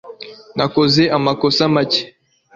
nakoze amakosa make